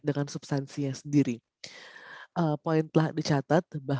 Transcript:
jadi itu adalah pertanyaannya dan permasalahan terhadap diskusi kita